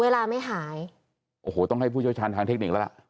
เวลาไม่หายโอ้โหต้องให้ผู้เชี่ยวชาญทางเทคนิคแล้วล่ะ